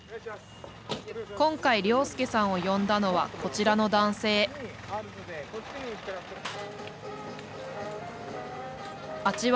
今回良介さんを呼んだのはこちらの男性阿知波